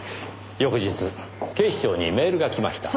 翌日警視庁にメールがきました。